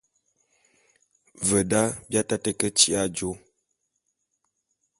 Ve da, bi ataté ke tyi'i ajô.